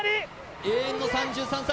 永遠の３３歳